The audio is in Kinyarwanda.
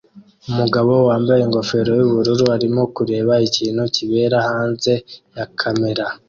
Umugabo wambaye ingofero yubururu arimo kureba ikintu kibera hanze ya kamera